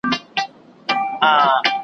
زه ملنګ عبدالرحمن وم .